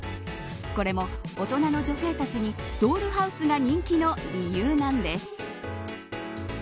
これも大人の女性たちにドールハウスが人気の理由なんです。